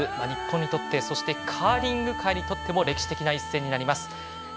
日本にとってそして、カーリング界にとっても歴史的な一戦になります。